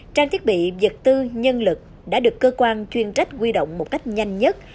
trang thiết bị vật tư nhân lực đã được cơ quan chuyên trách quy động một cách nhanh nhất